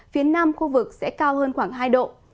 phía nam khu vực sẽ cao hơn khoảng hai độ